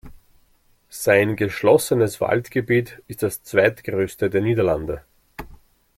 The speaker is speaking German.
Sein geschlossenes Waldgebiet ist das zweitgrößte der Niederlande.